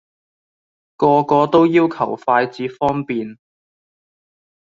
個個都要求快捷方便